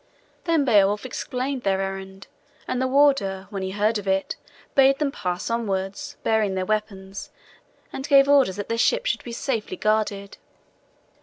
Then Beowulf explained their errand, and the warder, when he had heard it, bade them pass onwards, bearing their weapons, and gave orders that their ship should be safely guarded.